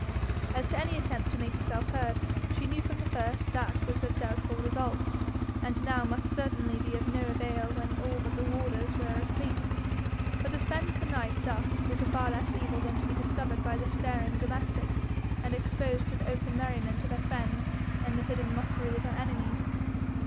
As to any attempt to make herself heard, she knew from the first that was of doubtful result, and now must certainly be of no avail when all but the warders were asleep. But to spend the night thus was a far less evil than to be discovered by the staring domestics, and exposed to the open merriment of her friends, and the hidden mockery of her enemies.